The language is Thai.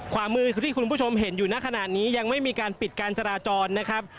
ขวามือคือที่คุณผู้ชมเห็นอยู่หน้าขนาดนี้ยังไม่มีการปิดการจราจรนะครับ